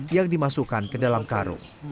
yang dimasukkan ke dalam karung